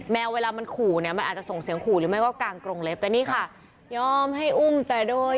นี่นี่นี่นี่นี่นี่นี่นี่นี่นี่นี่